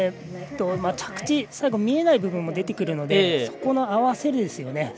着地、最後見えない部分も出てきますのでそこの合わせですよね。